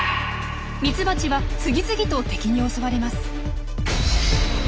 ミツバチは次々と敵に襲われます。